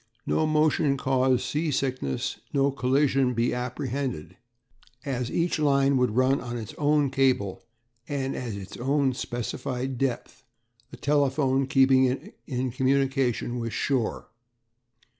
No motion cause sea sickness, no collision be apprehended as each line would run on its own cable, and at its own specified depth, a telephone keeping it in communication with shore.